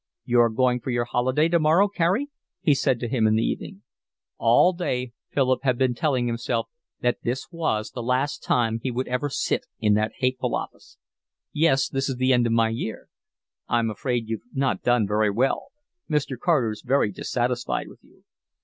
"You're going for your holiday tomorrow, Carey?" he said to him in the evening. All day Philip had been telling himself that this was the last time he would ever sit in that hateful office. "Yes, this is the end of my year." "I'm afraid you've not done very well. Mr. Carter's very dissatisfied with you."